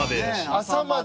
朝まで？